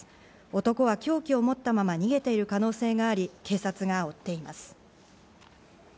男は凶器を持ったまま逃げている可能性があり、警察が追っています。